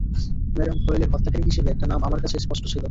Madam ডয়েলের হত্যাকারী হিসেবে একটা নাম আমার কাছে স্পষ্ট ছিল।